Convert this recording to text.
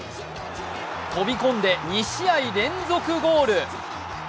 飛び込んで２試合連続ゴール。